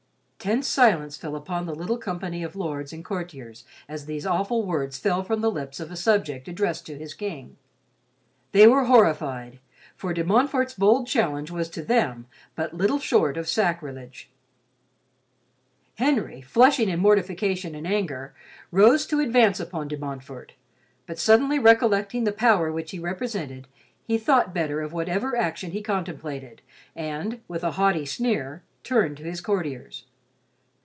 Tense silence fell upon the little company of lords and courtiers as these awful words fell from the lips of a subject, addressed to his king. They were horrified, for De Montfort's bold challenge was to them but little short of sacrilege. Henry, flushing in mortification and anger, rose to advance upon De Montfort, but suddenly recollecting the power which he represented, he thought better of whatever action he contemplated and, with a haughty sneer, turned to his courtiers.